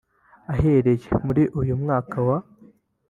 uhereye muri uyu mwaka wa